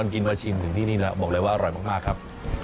กินมาชิมถึงที่นี่แล้วบอกเลยว่าอร่อยมากครับ